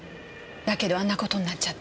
だけどあんな事になっちゃって。